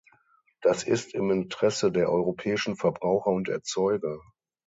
Das ist im Interesse der europäischen Verbraucher und Erzeuger.